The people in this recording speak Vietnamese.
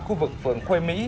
khu vực phường khuê mỹ